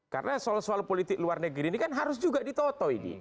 karena soal soal politik luar negeri ini kan harus juga ditoto ini